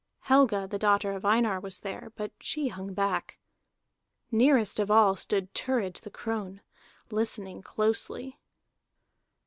Helga the daughter of Einar was there, but she hung back; nearest of all stood Thurid the crone, listening closely.